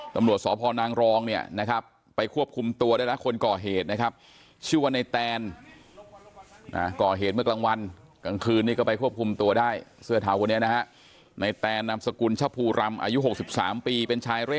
ตำรวจสพนางรองเนี่ยนะครับไปควบคุมตัวได้แล้วคนก่อเหตุนะครับชื่อว่าในแตนก่อเหตุเมื่อกลางวันกลางคืนนี้ก็ไปควบคุมตัวได้เสื้อเทาคนนี้นะฮะในแตนนามสกุลชะภูรำอายุ๖๓ปีเป็นชายเร่